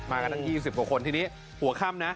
มากันตั้ง๒๐กว่าคนทีนี้หัวค่ำนะ